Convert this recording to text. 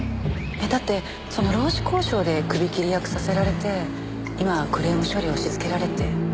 だってその労使交渉で首切り役させられて今はクレーム処理を押しつけられて。